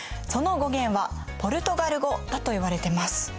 その語源はポルトガル語だといわれてます。